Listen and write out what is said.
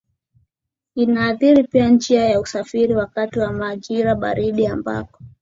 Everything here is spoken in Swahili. inaathiri pia njia za usafiri Wakati wa majirabaridi ambako